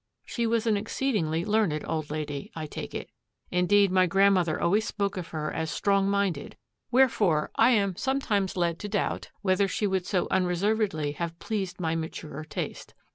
She was an exceedingly learned old lady, I take it; indeed, my grandmother always spoke of her as strong minded, wherefore I am sometimes led to doubt whether she would so unreservedly have pleased my maturer taste.